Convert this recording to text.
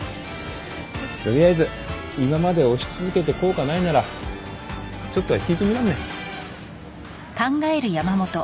取りあえず今まで押し続けて効果ないならちょっとは引いてみらんね。